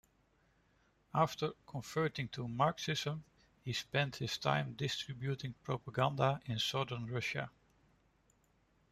After converting to Marxism, he spent his time distributing propaganda in southern Russia.